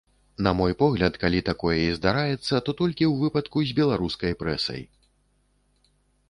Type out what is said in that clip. На мой погляд, калі такое і здараецца, то толькі ў выпадку з беларускай прэсай.